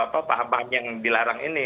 paham paham yang dilarang ini